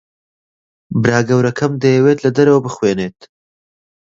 برا گەورەکەم دەیەوێت لە دەرەوە بخوێنێت.